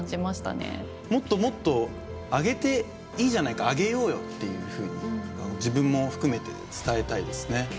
もっともっと上げていいじゃないか上げようよっていうふうに自分も含めて伝えたいですね。